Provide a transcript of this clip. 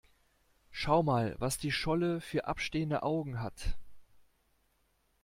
Schau mal, was die Scholle für abstehende Augen hat!